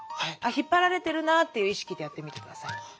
引っ張られてるなっていう意識でやってみて下さい。